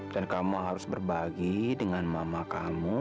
kamu harus berbagi dengan mama kamu